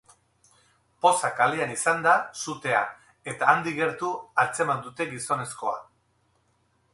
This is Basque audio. Poza kalean izan da sutea eta handik gertu atzeman dute gizonezkoa.